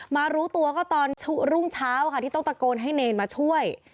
รู้ตัวก็ตอนรุ่งเช้าค่ะที่ต้องตะโกนให้เนรมาช่วย